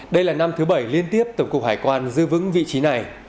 đây là năm thứ bảy liên tiếp tổng cục hải quan dư vững vị trí này